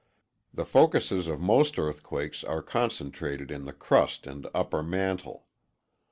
The focuses of most earthquakes are concentrated in the crust and upper mantle.